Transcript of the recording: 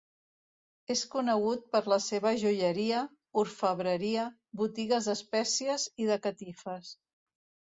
És conegut per la seva joieria, orfebreria, botigues d'espècies i de catifes.